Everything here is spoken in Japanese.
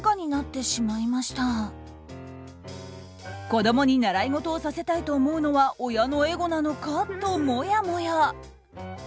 子供に習い事をさせたいと思うのは親のエゴなのか？ともやもや。